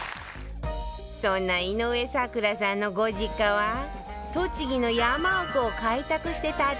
そんな井上咲楽さんのご実家は栃木の山奥を開拓して建てたという一軒家